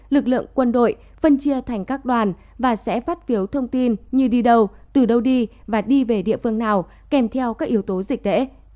lực lượng quân đội phân chia thành các đoàn và sẽ phát phiếu thông tin như đi đâu từ đâu đi và đi về địa phương nào kèm theo các yếu tố dịch tễ